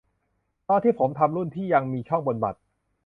ตอนที่ผมทำรุ่นที่ยังมีช่องบนบัตร